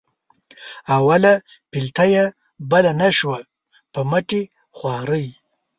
اوله پلته یې بله نه شوه په مټې خوارۍ.